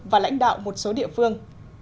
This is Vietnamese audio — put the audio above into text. và lãnh đạo một số địa phương